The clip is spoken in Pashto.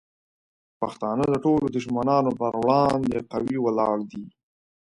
پښتانه د ټولو دشمنانو پر وړاندې قوي ولاړ دي.